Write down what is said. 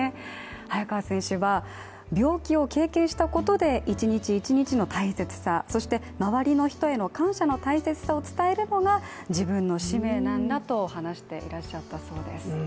早川選手は病気を経験したことで一日一日の大切さ、そして周りの人への感謝の大切さを伝えるのが自分の使命なんだと話してらっしゃったそうです。